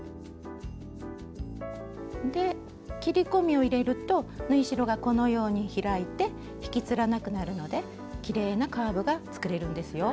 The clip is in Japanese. で切り込みを入れると縫い代がこのように開いて引きつらなくなるのできれいなカーブが作れるんですよ。